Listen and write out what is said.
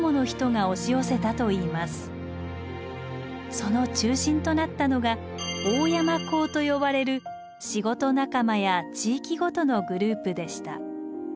その中心となったのが「大山講」と呼ばれる仕事仲間や地域ごとのグループでした。